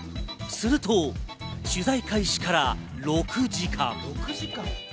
すると、取材開始から６時間。